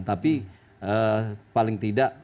tapi paling tidak